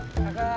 kasian juga lo